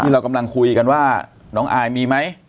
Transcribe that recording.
เรากำลังคุยกันว่าน้องอายมีไหม